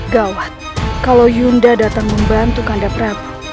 gawat kalau yunda datang membantu kandap prabu